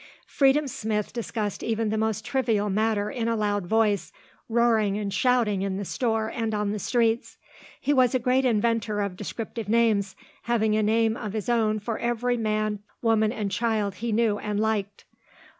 Freedom Smith discussed even the most trivial matter in a loud voice, roaring and shouting in the store and on the streets. He was a great inventor of descriptive names, having a name of his own for every man, woman and child he knew and liked.